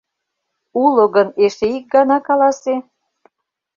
Уло гын, эше ик гана каласе!